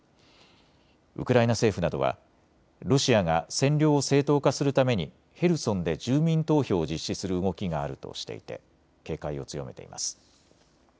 ウクライナ政府などはロシアが占領を正当化するためにヘルソンで住民投票を実施する動きがあるとしていて警戒を強めています。